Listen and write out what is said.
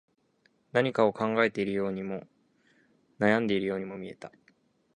何かを考えているようにも、悩んでいるようにも見えた